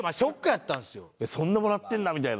そんなもらってるんだみたいな。